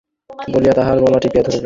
বলিয়া তাহার গলা টিপিয়া ধরিল।